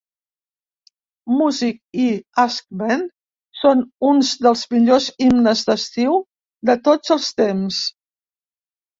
Music i AskMen són uns dels millors himnes d'estiu de tots els temps.